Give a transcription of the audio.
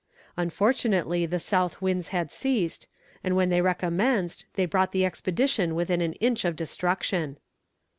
Unfortunately the south winds had ceased, and when they re commenced, they brought the expedition within an inch of destruction.